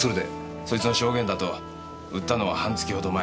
そいつの証言だと売ったのは半月ほど前。